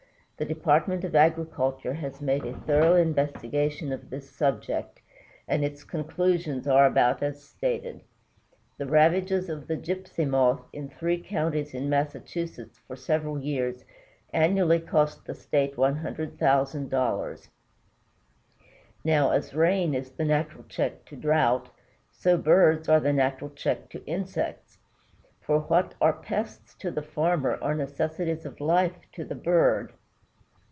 The Department of Agriculture has made a thorough investigation of this subject, and its conclusions are about as stated. The ravages of the Gypsy Moth in three counties in Massachusetts for several years annually cost the state $100,000. "Now, as rain is the natural check to drought, so birds are the natural check to insects, for what are pests to the farmer are necessities of life to the bird.